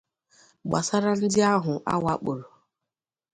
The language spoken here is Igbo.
Gbasara ndị ahụ a wakporo